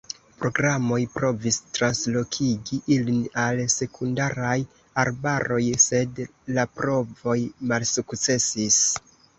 Programoj provis translokigi ilin al sekundaraj arbaroj, sed la provoj malsukcesis.